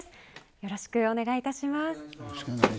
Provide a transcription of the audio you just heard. よろしくお願いします。